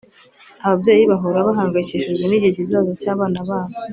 ababyeyi bahora bahangayikishijwe nigihe kizaza cyabana babo